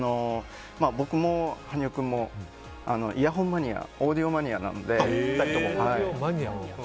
僕も羽生君もイヤホンマニアオーディオマニアなので２人とも。